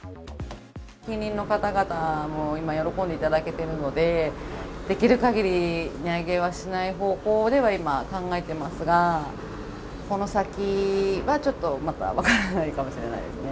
近隣の方々も今、喜んでいただけてるので、できるかぎり値上げはしない方向では今、考えてますが、この先はちょっと分からないかもしれないですね。